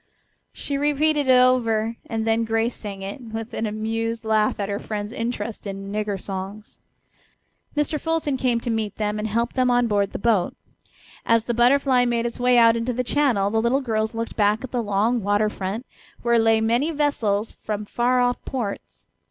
She repeated it over and then Grace sang it, with an amused laugh at her friend's interest in "nigger songs." Mr. Fulton came to meet them and helped them on board the boat. As the Butterfly made its way out into the channel the little girls looked back at the long water front, where lay many vessels from far off ports.